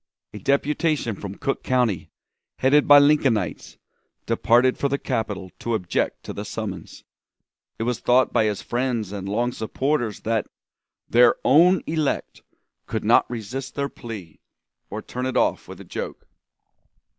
A deputation from Cook County, headed by Lincolnites, departed for the capital to object to the summons. It was thought by his friends and long supporters that "their own elect" could not resist their plea, or turn it off with a joke.